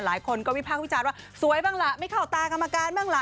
หลายคนก็วิพากษ์วิจารณ์ว่าสวยบ้างล่ะไม่เข้าตากรรมการบ้างล่ะ